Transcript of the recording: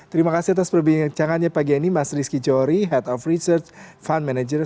terima kasih atas perbincangannya pagi ini mas rizky johri head of research fund manager